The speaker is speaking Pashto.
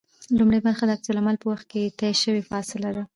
لومړۍ برخه د عکس العمل په وخت کې طی شوې فاصله ده